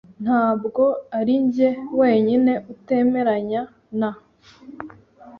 Ntabwo arinjye wenyine utemeranya na .